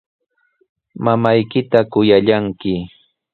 Mamaykita kuyallanki.